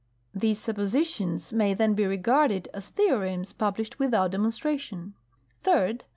These suppositions may then be regarded as theorems published without demonstration. Third.